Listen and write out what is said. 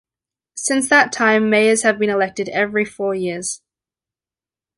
Since that time mayors have been elected every four years.